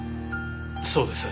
そうです。